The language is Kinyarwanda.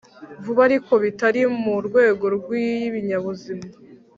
Vuba ariko bitari mu rwego rw ibinyabuzima